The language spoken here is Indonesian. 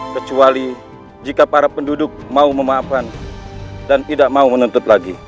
kecuali jika para penduduk mau memaafkan dan tidak mau menuntut lagi